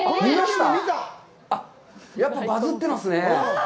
やっぱバズってますね。